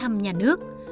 thăm nhà nước